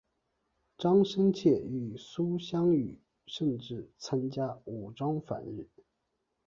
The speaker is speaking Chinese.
张深切与苏芗雨甚至参加武装反日。